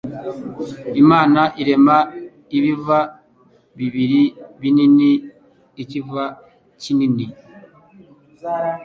Imana irema ibiva bibiri binini ikiva kinini